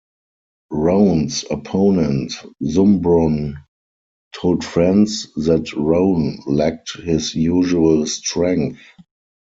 Rone's opponent, Zumbrun, told friends that Rone lacked his usual strength.